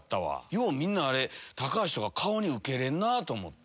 ようみんなあれ高橋とか顔に受けれんなぁと思って。